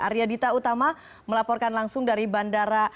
arya dita utama melaporkan langsung dari bandara